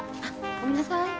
ごめんなさい。